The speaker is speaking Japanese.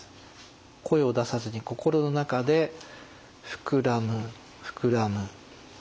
声を出さずに心の中で「ふくらむふくらむ」。